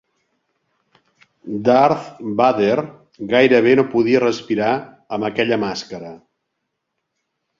Darth Vader gairebé no podia respirar amb aquella màscara.